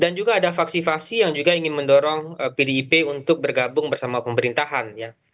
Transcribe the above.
dan juga ada faksi faksi yang juga ingin mendorong pdip untuk bergabung bersama pemerintahan ya